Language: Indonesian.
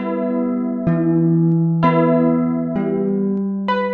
makin yang brie